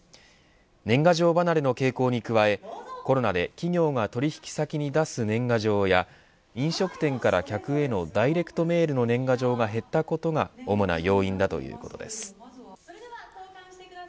年賀状離れの傾向に加えコロナで企業が取引先に出す年賀状や飲食店から客へのダイレクトメールの年賀状が減ったことが主な要因だということです。